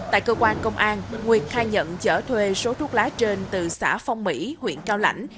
tại cơ quan công an nguyệt khai nhận chở thuê số thuốc lá trên từ xã phong mỹ huyện cao lãnh